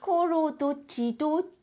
「どっちどっち？」